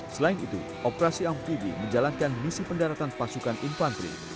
selain itu operasi amfibi menjalankan misi pendaratan pasukan infanteri